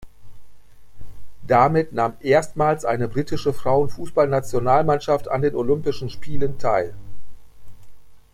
Damit nahm erstmals eine britische Frauenfußballnationalmannschaft an den Olympischen Spielen teil.